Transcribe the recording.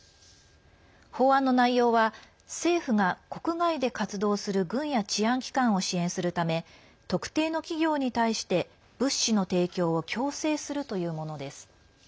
法案の内容は政府が国外で活動する軍や治安機関を支援するため特定の企業に対して物資の提供を強制するというものです。